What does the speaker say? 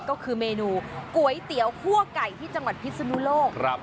ก็คือเมนูก๋วยเตี๋ยวคั่วไก่ที่จังหวัดพิศนุโลก